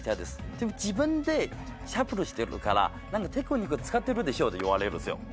でも自分でシャッフルしてるからテクニック使ってるでしょ？って言われるんですよ。